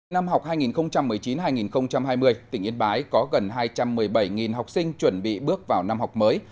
năm học hai nghìn một mươi chín hai nghìn hai mươi tỉnh yên bái có gần hai trăm một mươi bảy học sinh chuẩn bị bước vào năm học mới